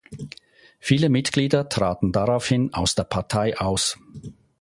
Viele Mitglieder traten daraufhin aus der Partei aus.